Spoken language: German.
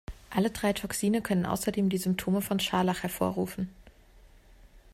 Alle drei Toxine können außerdem die Symptome von Scharlach hervorrufen.